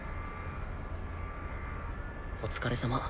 お疲れさま。